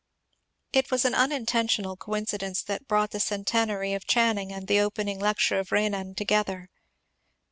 It was an unintentional coincidence that brought the cen tenary of Channing and the opening lecture of Renan to gether.